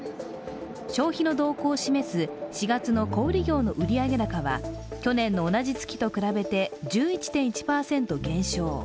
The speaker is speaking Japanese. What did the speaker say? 消費の動向を示す４月の小売業の売上高は去年の同じ月と比べて１１．１％減少。